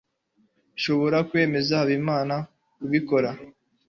Nshobora kwemeza Habimana kubikora.